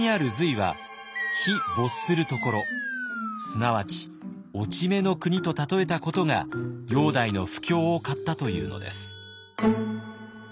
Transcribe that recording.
すなわち落ち目の国と例えたことが煬帝の不興を買ったというのです。